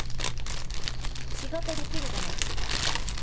仕事できるじゃないですか。